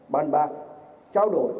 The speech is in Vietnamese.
bàn bạc trao đổi